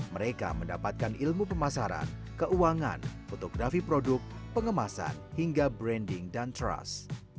mereka mendapatkan ilmu pemasaran keuangan fotografi produk pengemasan hingga branding dan trust